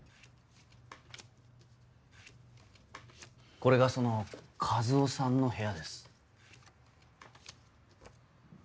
これがその一魚さんの部屋です。